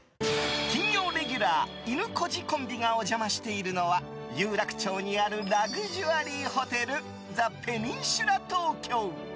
金曜レギュラーいぬこじコンビがお邪魔しているのは有楽町にあるラグジュアリーホテルザ・ペニンシュラ東京。